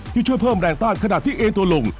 ที่ช่วยเพิ่มแรงต้านขนาดที่เอ็นตัวลง